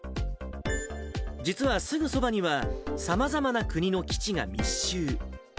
実はすぐそばには、さまざまな国の基地が密集。